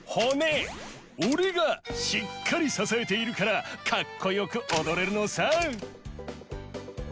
オレがしっかりささえているからかっこよくおどれるのさ！